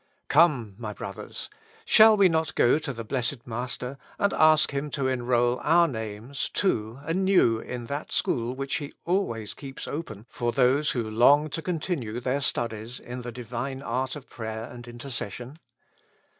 Come, my brothers ! Shall we not go to the Blessed Master and ask Him to enrol our names too anew in that school which He always keeps open for those who long to continue their studies in the Divine art of prayer and intercession